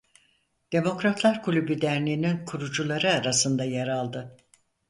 Demokratlar Kulübü derneğinin kurucuları arasında yer aldı.